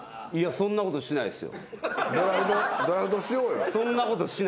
そんなことしないです。